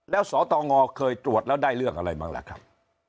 แล้วสตงเคยตรวจแล้วได้เรื่องอะไรบ้างล่ะครับ